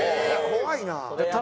怖いな。